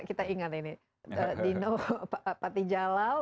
kita ingat ini dino patijalal mengharapkan trump akan kalah